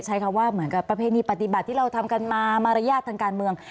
ใช้คำว่าเหมือนกับประเพณีปฏิบัติที่เราทำกันมามารยาททางการเมือง